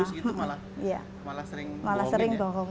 justru perumahan perumahan yang lebih bagus itu malah sering bohong